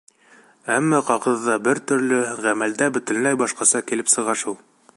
Әммә ҡағыҙҙа — бер төрлө, ғәмәлдә бөтөнләй башҡаса килеп сыға шул.